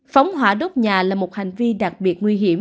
phóng hỏa đốt nhà là một hành vi đặc biệt nguy hiểm